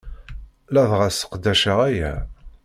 Ladɣa sseqdaceɣ aya.